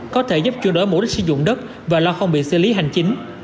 có thể giúp chuyên đối mục đích sử dụng đất và lo không bị xử lý hành chính